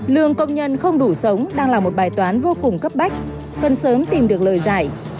lương công nhân không đủ sống đang là một bài toán vô cùng cấp bách cần sớm tìm được lời giải